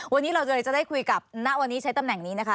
วันนี้เราจะเลยจะได้คุยกับณวันนี้ใช้ตำแหน่งนี้นะคะ